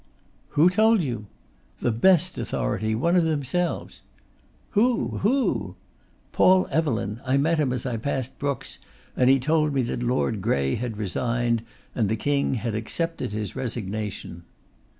'Who told you?' 'The best authority; one of themselves.' 'Who? who?' 'Paul Evelyn; I met him as I passed Brookes', and he told me that Lord Grey had resigned, and the King had accepted his resignation.